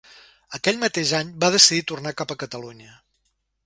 Aquell mateix any va decidir tornar cap a Catalunya.